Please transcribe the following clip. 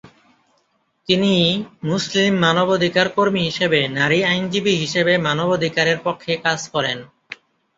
তিনি মুসলিম মানবাধিকার কর্মী হিসেবে নারী আইনজীবী হিসেবে মানবাধিকারের পক্ষে কাজ করেন।